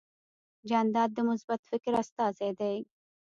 جانداد د مثبت فکر استازی دی.